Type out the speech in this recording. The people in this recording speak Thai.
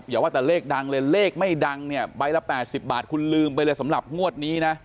อย่าว่าแต่เลขดังเลยเลขไม่ดังเนี่ยใบละ๘๐บาทคุณลืมไปเลยสำหรับงวดนี้นะ